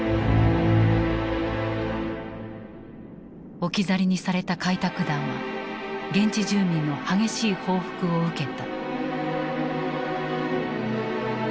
置き去りにされた開拓団は現地住民の激しい報復を受けた。